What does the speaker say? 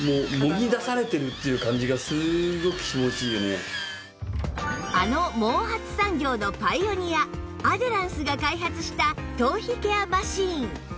そんな奥様を見てあの毛髪産業のパイオニアアデランスが開発した頭皮ケアマシン